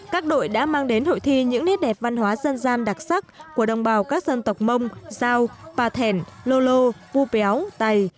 các đội đã mang đến hội thi những nét đẹp văn hóa dân gian đặc sắc của đồng bào các dân tộc mông giao bà thẻn lô lô bu péo tày